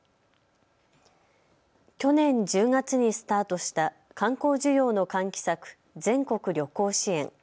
去年１０月にスタートした観光需要の喚起策、全国旅行支援。